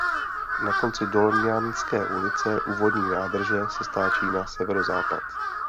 Na konci Dolňanské ulice u vodní nádrže se stáčí na severozápad.